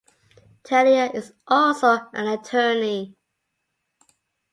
Tellier is also an attorney.